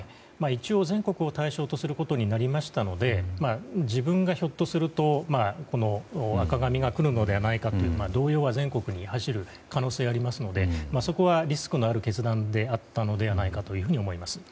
一応、全国を対象とすることになりましたので自分がひょっとすると赤紙がくるのではないかという動揺が全国に走る可能性がありますのでそこは、リスクのある決断であったのではと思います。